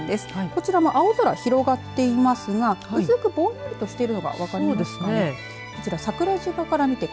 こちらも青空広がっていますが薄くぼんやりとしているのが分かりますかね。